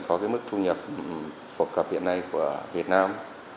có mức thu nhập phục hợp hiện nay của việt nam